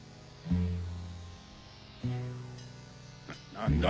何だ？